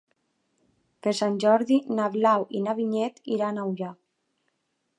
Per Sant Jordi na Blau i na Vinyet iran a Ullà.